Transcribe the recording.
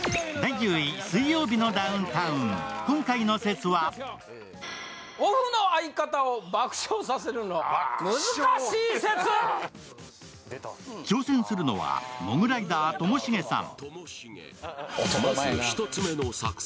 今回の説は挑戦するのはモグライダーともしげさん。